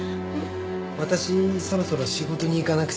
私そろそろ仕事に行かなくちゃ。